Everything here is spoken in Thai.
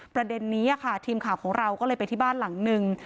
ประเด็นนี้ค่ะทีมข่าวของเราก็เลยไปที่บ้านหลังนึง